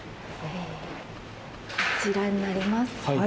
こちらになります。